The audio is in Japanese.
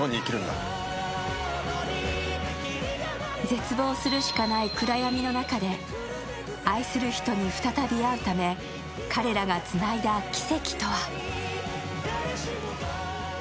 絶望するしかない暗闇の中で愛する人に再び会うため、彼らがつないだ奇跡とは。